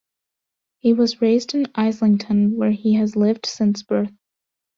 He was raised in Islington where he has lived since birth.